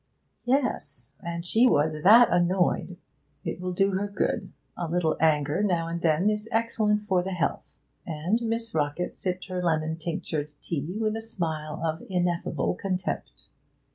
'Yes and she was that annoyed.' 'It will do her good. A little anger now and then is excellent for the health.' And Miss Rockett sipped her lemon tinctured tea with a smile of ineffable contempt.